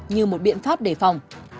như một biện pháp đề phòng